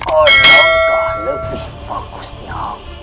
alamkah lebih bagusnya